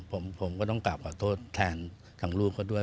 ผมก็ต้องกลับขอโทษแทนทางลูกเขาด้วย